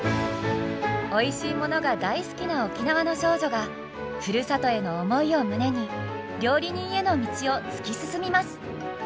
おいしいものが大好きな沖縄の少女がふるさとへの思いを胸に料理人への道を突き進みます！